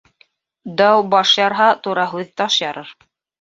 Дау баш ярһа, тура һүҙ таш ярыр.